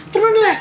turun dulu ya